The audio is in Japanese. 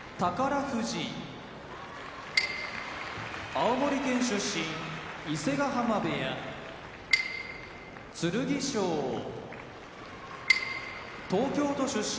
富士青森県出身伊勢ヶ濱部屋剣翔東京都出身